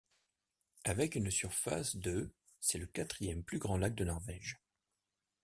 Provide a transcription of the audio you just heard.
Avec une surface de c'est le quatrième plus grand lac de Norvège.